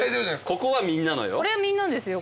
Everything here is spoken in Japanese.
これはみんなのですよ